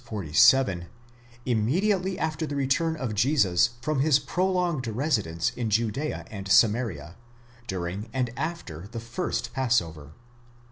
47) immediately after the return of Jesus from his prolonged resi dence in Judea and Samaria, during and after the first passover.